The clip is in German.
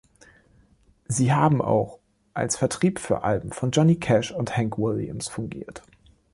Sie haben auch als Vertrieb für Alben von Johnny Cash und Hank Williams fungiert.